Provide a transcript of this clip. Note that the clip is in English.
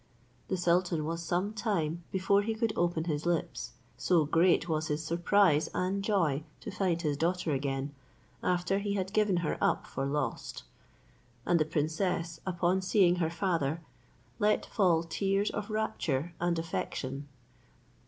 The sultan was some time before he could open his lips, so great was his surprise and joy to find his daughter again, after he had given her up for lost; and the princess, upon seeing her father, let fall tears of rapture and affection.